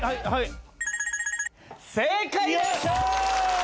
はい！